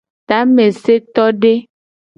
Tamesetode.